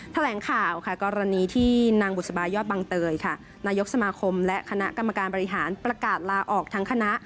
แถลงข่าวค่ะกรณีที่นางบุษบายอดบังเตยค่ะนายกสมาคมและคณะกรรมการบริหารประกาศลาออกทั้งคณะ